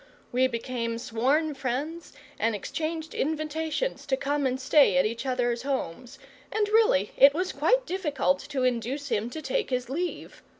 We became sworn friends, and exchanged invitations to come and stay at each other's homes, and really it was quite difficult to induce him to take his leave.